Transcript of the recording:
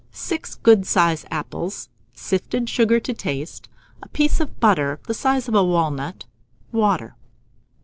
6 good sized apples, sifted sugar to taste, a piece of butter the size of a walnut, water.